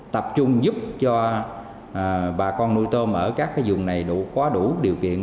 tập trung giúp cho bà con nuôi tôm ở các vùng này có đủ điều kiện